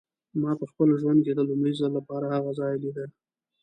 ما په خپل ژوند کې د لومړي ځل لپاره هغه ځای لیده.